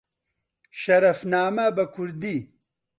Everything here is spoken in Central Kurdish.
شەرەفنامە بە کوردی